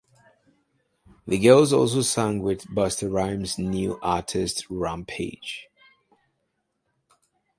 The girls also sang with Busta Rhymes' new artist Rampage.